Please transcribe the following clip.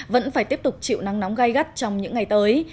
vẫn phải tiếp tục chịu nắng nóng gai gắt trong những ngày tới